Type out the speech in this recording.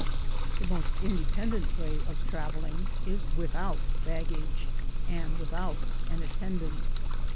The most independent way of travelling is with^ out baggage, and without an attendant.